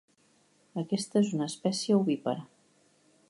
Aquesta és una espècie ovípara.